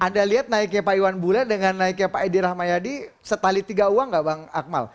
anda lihat naiknya pak iwan bule dengan naiknya pak edi rahmayadi setali tiga uang nggak bang akmal